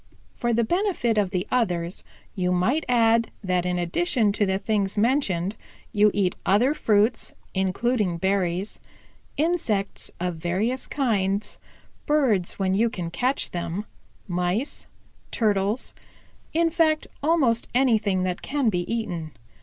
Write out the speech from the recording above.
For the benefit of the others you might add that in addition to the things mentioned you eat other fruits, including berries, insects of various kinds, birds when you can catch them, Mice, Turtles, in fact almost anything that can be eaten.